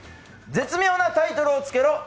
「絶妙なタイトルをつけろ！」